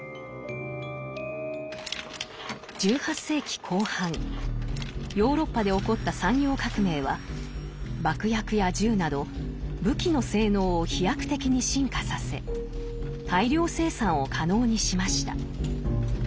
１８世紀後半ヨーロッパで起こった産業革命は爆薬や銃など武器の性能を飛躍的に進化させ大量生産を可能にしました。